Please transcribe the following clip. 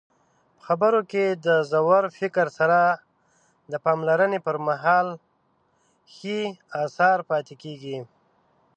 په خبرو کې د ژور فکر سره د پاملرنې پرمهال ښې اثار پاتې کیږي.